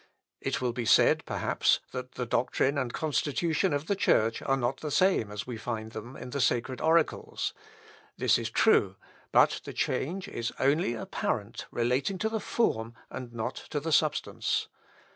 It will be said, perhaps, that the doctrine and constitution of the Church are not the same as we find them in the sacred oracles. This is true; but the change is only apparent, relating to the form, and not to the substance.